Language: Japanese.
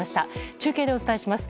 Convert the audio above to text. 中継でお伝えします。